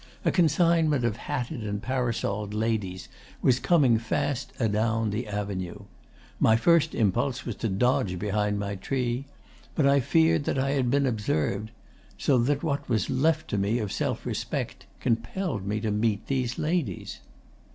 A consignment of hatted and parasoled ladies was coming fast adown the avenue. My first impulse was to dodge behind my tree. But I feared that I had been observed; so that what was left to me of self respect compelled me to meet these ladies.